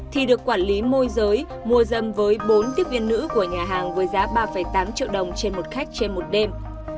thì được quản lý môi giới mua dâm với bốn tiếp viên nữ của nhà hàng với giá ba tám triệu đồng trên một khách trên một đêm